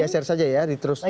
bisa sampai dikeser saja ya